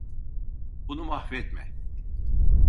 Bunu mahvetme.